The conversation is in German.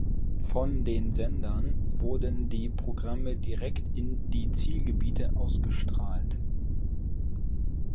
Von den Sendern wurden die Programme direkt in die Zielgebiete ausgestrahlt.